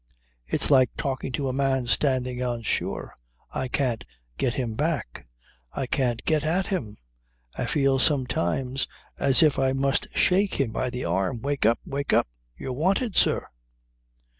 It's like talking to a man standing on shore. I can't get him back. I can't get at him. I feel sometimes as if I must shake him by the arm: "Wake up! Wake up! You are wanted, sir